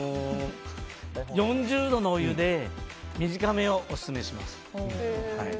４０度のお湯で短めをオススメします。